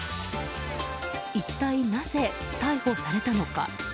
一体なぜ逮捕されたのか。